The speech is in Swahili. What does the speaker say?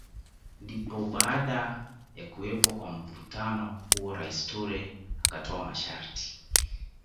Ndipo baada ya kuwepo kwa mvutano huo Rais Toure akatoa masharti